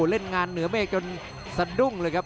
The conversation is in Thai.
เล่นงานเหนือเมฆจนสะดุ้งเลยครับ